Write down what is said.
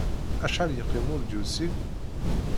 Acḥal yeqqim ur d-yusi?